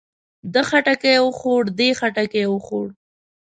ده خټکی وخوړ. دې خټکی وخوړ.